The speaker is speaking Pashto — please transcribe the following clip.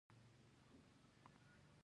دا مخته سوه زه ورپسې.